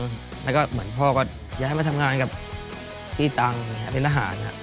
แล้วก็เหมือนพ่อก็ย้ายมาทำงานกับพี่ตังเป็นทหาร